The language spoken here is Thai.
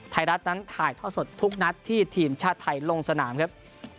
ไทยรัฐนั้นถ่ายท่อสดทุกนัดที่ทีมชาติไทยลงสนามครับ